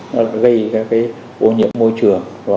nó gây ô nhiễm môi trường